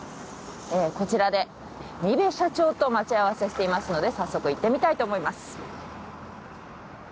こちらで三部社長と待ち合わせしていますので早速行ってみたいと思います。